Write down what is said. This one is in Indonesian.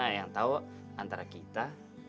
yang tahu antara kita